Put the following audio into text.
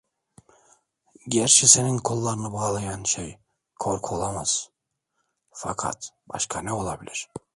Gerçi senin kollarını bağlayan şey korku olamaz, fakat başka ne olabilir.